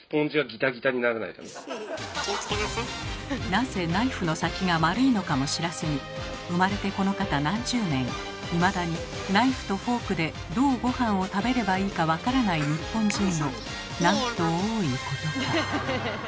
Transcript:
なぜナイフの先が丸いのかも知らずに生まれてこのかた何十年いまだにナイフとフォークでどうごはんを食べればいいか分からない日本人のなんと多いことか。